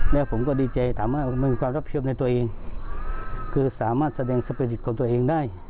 แล้วผมก็ดีใจถามว่ามันมีความรับผิดชอบในตัวเองคือสามารถแสดงสปีริตของตัวเองได้